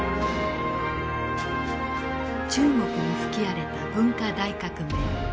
中国に吹き荒れた文化大革命。